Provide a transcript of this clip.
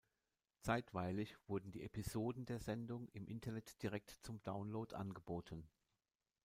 Zeitweilig wurden die Episoden der Sendung im Internet direkt zum Download angeboten.